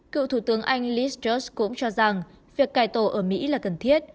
cựu thủ tướng anh liz george cũng cho rằng việc cài tổ ở mỹ là cần thiết